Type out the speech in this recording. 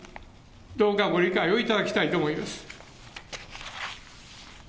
どうかご理解をいただきたいと思います。